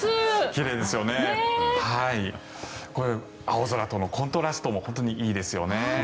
青空とのコントラストも本当にいいですよね。